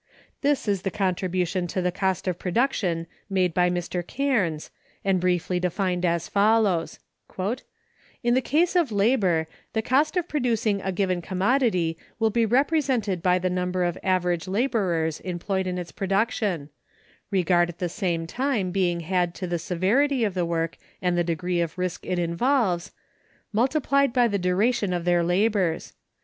This is the contribution to cost of production made by Mr. Cairnes, and briefly defined as follows: "In the case of labor, the cost of producing a given commodity will be represented by the number of average laborers employed in its production—regard at the same time being had to the severity of the work and the degree of risk it involves—multiplied by the duration of their labors.